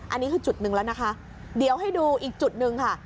อันนี้คือจุดหนึ่งแล้วนะคะเดี๋ยวให้ดูอีกจุดหนึ่งค่ะ